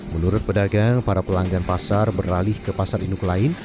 menurut pedagang para pelanggan pasar beralih ke pasar induk lain